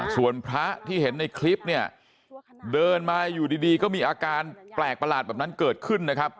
ส่วนพระที่เห็นในคลิปเนี่ยเดินมาอยู่ดีก็มีอาการแปลกประหลาดแบบนั้นเกิดขึ้นนะครับ